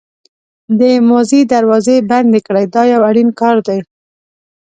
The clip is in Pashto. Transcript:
د ماضي دروازې بندې کړئ دا یو اړین کار دی.